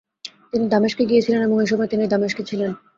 তিনি দামেস্কে গিয়েছিলেন এবং এসময় তিনি দামেস্কে ছিলেন।